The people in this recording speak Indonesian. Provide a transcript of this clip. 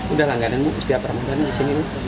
udah langganan bu setiap ramadan disini